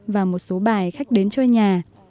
và một số bài khách đến chơi nhà